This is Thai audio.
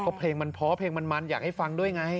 เพราะเพลงมันเพราะเพลงมันมันอยากให้ฟังด้วยไง